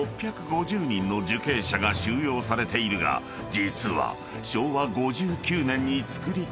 ［実は］